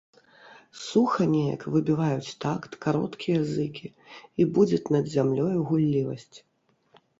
Суха неяк выбіваюць такт кароткія зыкі і будзяць над зямлёю гуллівасць.